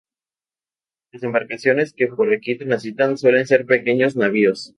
Las embarcaciones que por aquí transitan suelen ser pequeños navíos.